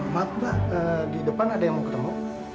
maaf pak di depan ada yang mau ketemu